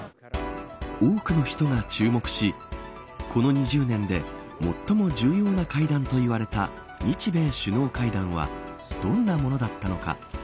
多くの人が注目しこの２０年で最も重要な会談と言われた日米首脳会談はどんなものだったのか。